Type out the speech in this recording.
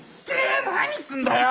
何すんだよ！